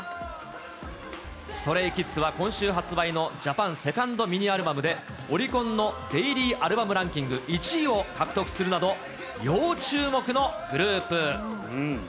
ストレイキッズは今週発売のジャパンセカンドミニアルバムで、オリコンのデイリーアルバムランキング１位を獲得するなど、要注目のグループ。